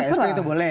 ksp itu boleh